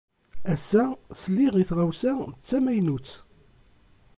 Ass-a, sliɣ i tɣawsa d tamaynut.